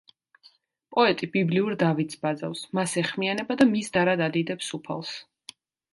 პოეტი ბიბლიურ დავითს ბაძავს, მას ეხმიანება და მის დარად ადიდებს უფალს.